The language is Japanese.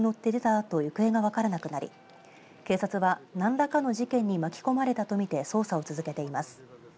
あと行方が分からなくなり警察は何らかの事件に巻き込まれたと見て捜査を続けています。